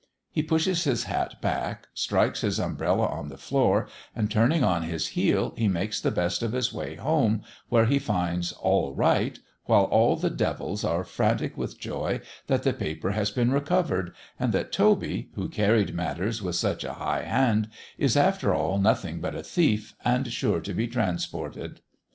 He pushes his hat back, strikes his umbrella on the floor, and turning on his heel, he makes the best of his way home, where he finds "all right," while all the "devils" are frantic with joy that the paper has been recovered, and that Toby, who carried matters with such a high hand, is, after all, nothing but a thief, and sure to be transported.